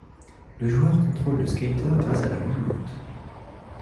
Le joueur contrôle le skateur grâce à la Wiimote.